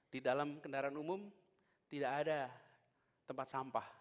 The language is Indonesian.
di dalam kendaraan umum tidak ada tempat sampah